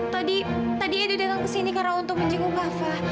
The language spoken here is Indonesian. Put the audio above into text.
tadi tadi edu datang kesini karena untuk menjaga kak fah